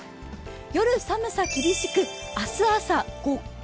夜寒さ厳しく、明日朝極寒。